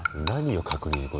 何を確認。